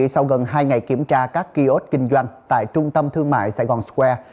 sau gần hai ngày kiểm tra các kiosk kinh doanh tại trung tâm thương mại sài gòn square